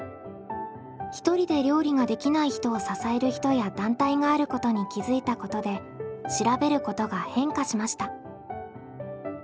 ひとりで料理ができない人を支える人や団体があることに気付いたことで「調べること」が変化しました。